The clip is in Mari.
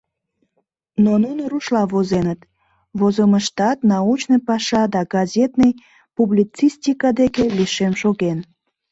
Но нуно рушла возеныт, возымыштат научный паша да газетный публицистика деке лишем шоген.